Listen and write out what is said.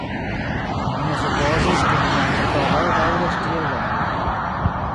Mi ne supozis, ke nia interparolado daŭros tiel longe.